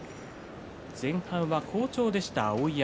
前半は好調でした、碧山。